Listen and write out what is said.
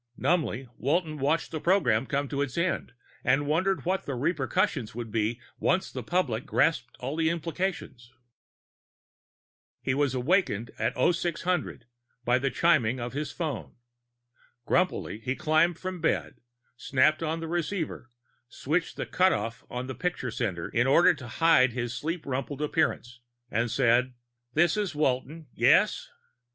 Numbly, Walton watched the program come to its end, and wondered what the repercussions would be once the public grasped all the implications. He was awakened at 0600 by the chiming of his phone. Grumpily he climbed from bed, snapped on the receiver, switched the cutoff on the picture sender in order to hide his sleep rumpled appearance, and said, "This is Walton. Yes?"